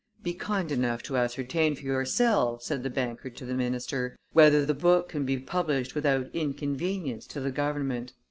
"Be kind enough to ascertain for yourself," said the banker to the minister, "whether the book can be published without inconvenience to the government."